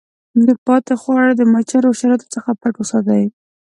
پاته خواړه د مچانو او حشراتو څخه پټ وساتئ.